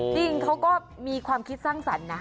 จริงเขาก็มีความคิดสร้างสรรค์นะ